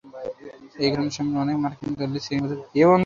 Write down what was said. এই ঘটনা সম্পর্কে অনেক মার্কিন দলিল শ্রেণীবদ্ধ রয়েছে।